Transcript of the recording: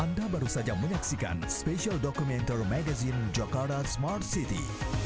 anda baru saja menyaksikan spesial dokumenter magazine jakarta smart city